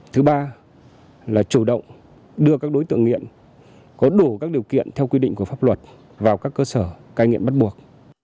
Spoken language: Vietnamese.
thứ ba là chủ động đưa các đối tượng nghiện có đủ các điều kiện theo quy định của pháp luật vào các cơ sở cai nghiện bắt buộc